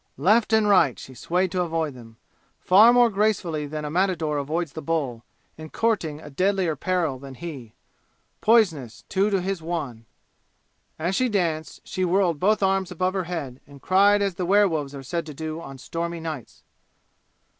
Left and right she swayed to avoid them, far more gracefully than a matador avoids the bull and courting a deadlier peril than he poisonous, two to his one. As she danced she whirled both arms above her head and cried as the were wolves are said to do on stormy nights.